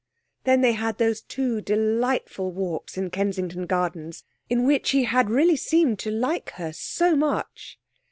Then they had those two delightful walks in Kensington Gardens, in which he had really seemed to 'like' her so much.